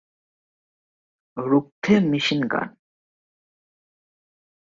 রুখতে মেশিন গান।।